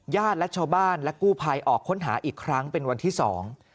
และชาวบ้านและกู้ภัยออกค้นหาอีกครั้งเป็นวันที่สอง